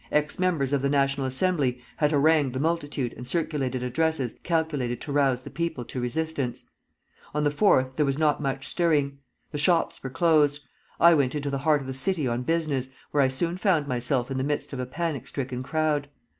Ex members of the National Assembly had harangued the multitude and circulated addresses calculated to rouse the people to resistance. On the 4th there was not much stirring. The shops were closed. I went into the heart of the city on business, where I soon found myself in the midst of a panic stricken crowd.